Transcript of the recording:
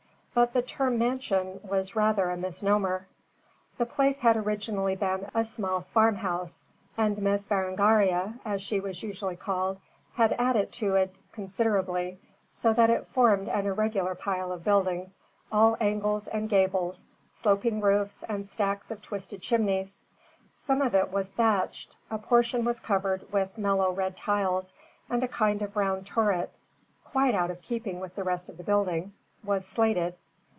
But the term mansion was rather a misnomer. The place had originally been a small farmhouse, and Miss Berengaria as she was usually called had added to it considerably, so that it formed an irregular pile of buildings, all angles and gables, sloping roofs and stacks of twisted chimneys. Some of it was thatched, a portion was covered with mellow red tiles, and a kind of round turret, quite out of keeping with the rest of the building, was slated.